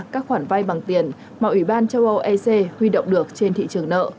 các khoản vay bằng tiền mà ủy ban châu âu ec huy động được trên thị trường nợ